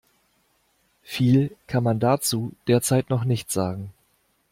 Viel kann man dazu derzeit noch nicht sagen.